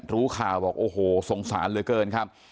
รู้ข่าวบอกโอ้โหสงสารเหลือเกินครับ